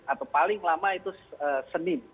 atau paling lama itu senin